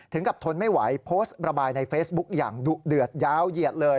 กับทนไม่ไหวโพสต์ระบายในเฟซบุ๊กอย่างดุเดือดยาวเหยียดเลย